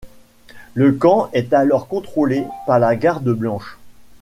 Le camp est alors contrôlé par la Garde blanche.